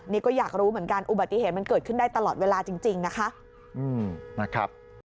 นี่ก็อยากรู้เหมือนกันอุบัติเหตุมันเกิดขึ้นได้ตลอดเวลาจริงนะคะ